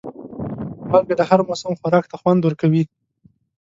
مالګه د هر موسم خوراک ته خوند ورکوي.